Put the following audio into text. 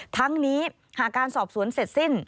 ทั้งนี้หากการสอบสวนเสร็จสิ้น